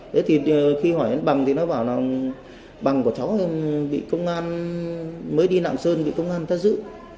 thế thì khi hỏi đến bằng thì nó bảo là bằng của cháu bị công an mới đi nạng sơn bị công an ta giữ